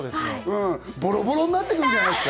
ボロボロになってくんじゃない？